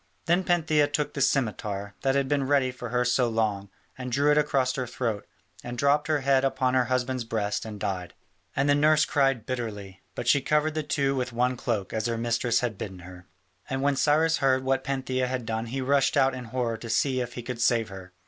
Then Pantheia took the scimitar, that had been ready for her so long, and drew it across her throat, and dropped her head upon her husband's breast and died. And the nurse cried bitterly, but she covered the two with one cloak as her mistress had bidden her. And when Cyrus heard what Pantheia had done he rushed out in horror to see if he could save her.